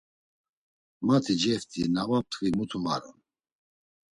Mati ceft̆i, na va p̌t̆ǩvi muti var one!